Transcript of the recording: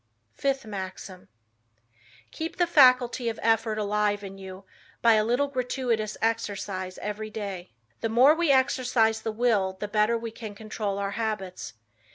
Fifth Maxim: "Keep the faculty of effort alive in you by a little gratuitous exercise every day." The more we exercise the will, the better we can control our habits.